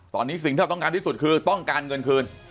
ตอนนี้สิ่งที่เราต้องการที่สุดคือต้องการเงินคืน